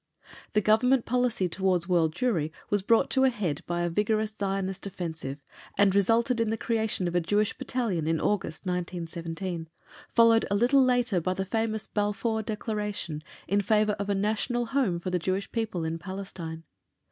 The Government policy towards world Jewry was brought to a head by a vigorous Zionist offensive, and resulted in the creation of a Jewish Battalion in August, 1917, followed a little later by the famous Balfour Declaration in favour of a National Home for the Jewish people in Palestine.